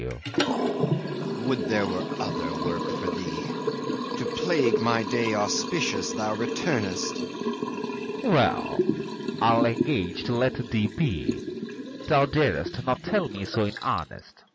FAUST Would there were other work for thee! To plague my day auspicious thou returnest. MEPHISTOPHELES Well! I'll engage to let thee be: Thou darest not tell me so in earnest.